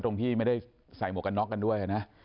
ที่ไม่ได้ใส่หมวกกันน็อกกันด้วยนะ